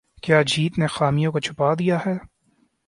کیا جیت نے خامیوں کو چھپا دیا ہے